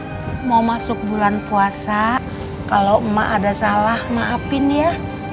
kalau mau masuk bulan puasa kalau emak ada salah maafin ya